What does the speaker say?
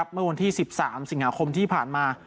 เมื่อวันที่๑๓สิงหาคมที่ผ่านมา